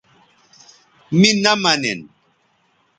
می نہ منین